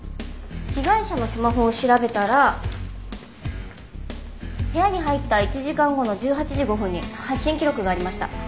被害者のスマホを調べたら部屋に入った１時間後の１８時５分に発信記録がありました。